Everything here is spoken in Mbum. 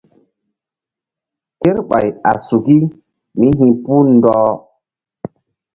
Kerɓay a suki mí hi̧puh ɗɔh.